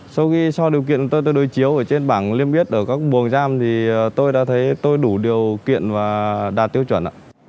sau khi so điều kiện tôi đối chiếu ở trên bảng liêm biết ở các buồng giam thì tôi đã thấy tôi đủ điều kiện và đạt tiêu chuẩn